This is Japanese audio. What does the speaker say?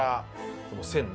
この線ね。